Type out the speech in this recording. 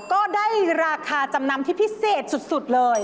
ก็ได้ราคาจำนำที่พิเศษสุดเลย